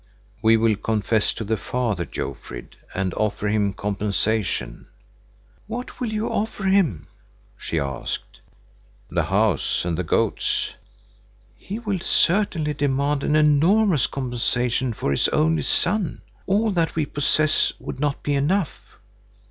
"We will confess to the father, Jofrid, and offer him compensation." "What will you offer him?" she asked. "The house and the goats." "He will certainly demand an enormous compensation for his only son. All that we possess would not be enough."